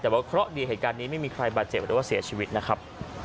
แต่ใครดีทำไมไม่ได้คนมาเจ็บหรือเสียชีวิตครับ